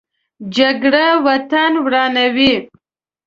جګړه وطن ورانوي